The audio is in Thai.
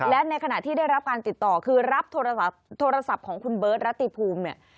และในขณะที่ได้รับการติดต่อคือรับโทรศัพท์ของคุณเบิร์ตรติภูมิเนี่ย